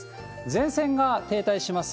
前線が停滞します